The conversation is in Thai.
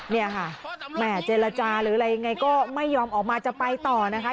เนี่ยค่ะแม่เจรจาหรืออะไรยังไงก็ไม่ยอมออกมาจะไปต่อนะคะ